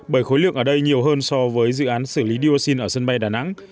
bởi khối lượng ở đây nhiều hơn so với dự án xử lý dioxin ở sân bay đà nẵng